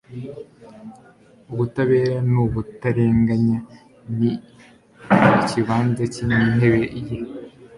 ubutabera n’ubutarenganya ni ikibanza cy’intebe ye